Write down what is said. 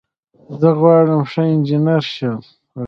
زه غواړم ښه انجنیر شم.